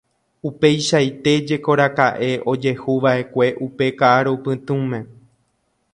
Upeichaite jekoraka'e ojehuva'ekue upe ka'arupytũme.